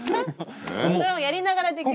それはやりながらできる。